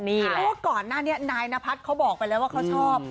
พวกก่อนนั้นนายนพัดเขาบอกไปแล้วว่าเขาชอบ